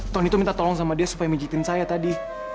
ton itu minta tolong sama dia supaya mijitin saya tadi